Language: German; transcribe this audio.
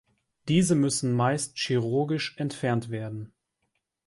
Diese müssen meist chirurgisch entfernt werden.